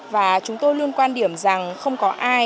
và chúng tôi luôn quan điểm rằng không có ai